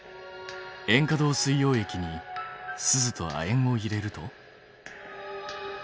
３塩化銅水溶液にスズと亜鉛を入れると？